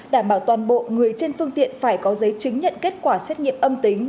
đảm bảo toàn bộ người trên phương tiện phải có giấy chứng nhận kết quả xét nghiệm âm tính